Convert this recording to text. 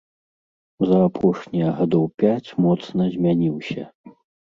За апошнія гадоў пяць моцна змяніўся.